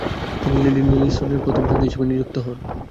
তিনি লেডি নেলসনের প্রথম সঙ্গী হিসেবে নিযুক্ত হন।